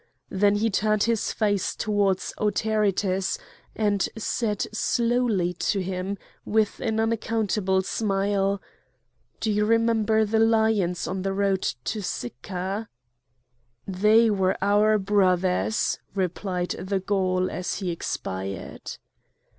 Then he turned his face towards Autaritus, and said slowly to him with an unaccountable smile: "Do you remember the lions on the road to Sicca?" "They were our brothers!" replied the Gaul, as he expired.